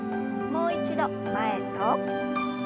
もう一度前と。